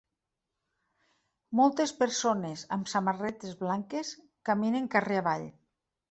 Moltes persones amb samarretes blanques caminen carrer avall